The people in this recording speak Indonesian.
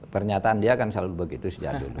pernyataan dia kan selalu begitu sejak dulu